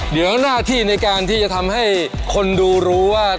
เดี๋ยวหน้าที่ในการที่จะทำให้คนดูรู้ว่า